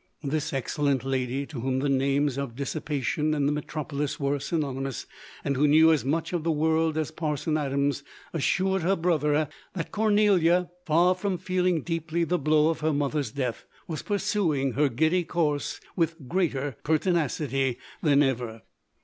This excellent lady, to whom the names of dis sipation and the metropolis were synonymous, and who knew as much of the world as Parson Adams, assured her brother, that Cornelia, far from feeling deeply the blow of her mother's death, was pursuing her giddy course with greater pertinacity than ever.